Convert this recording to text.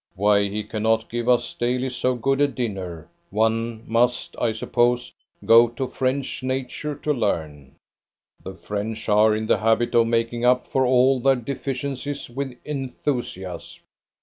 "Why he cannot give us daily so good a dinner, one must, I suppose, go to French nature to learn. The French are in the habit of making up for all their deficiencies with enthusiasm.